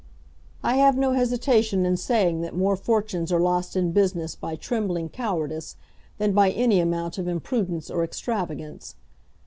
I have no hesitation in saying that more fortunes are lost in business by trembling cowardice than by any amount of imprudence or extravagance.